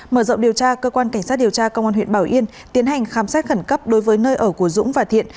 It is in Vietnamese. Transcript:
mở rộng điều tra cơ quan cảnh sát điều tra công an huyện bảo yên tiến hành khám xét khẩn cấp đối với nơi ở của dũng và thiện